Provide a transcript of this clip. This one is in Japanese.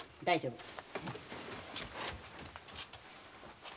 大丈夫。